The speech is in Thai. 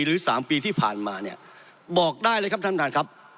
หรือ๓ปีที่ผ่านมาเนี่ยบอกได้เลยครับท่านประธานครับ